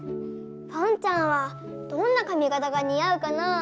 ぽんちゃんはどんなかみがたがにあうかなぁ？